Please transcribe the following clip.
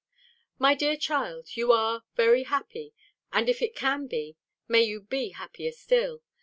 My dear child, you are very happy, and if it can be, may you be happier still!